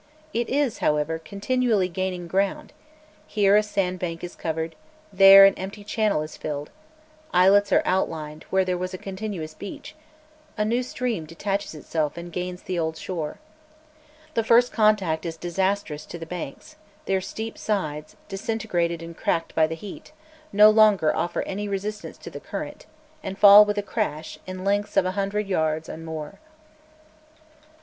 It is, however, continually gaining ground; here a sandbank is covered, there an empty channel is filled, islets are outlined where there was a continuous beach, a new stream detaches itself and gains the old shore. The first contact is disastrous to the banks; their steep sides, disintegrated and cracked by the heat, no longer offer any resistance to the current, and fall with a crash, in lengths of a hundred yards and more.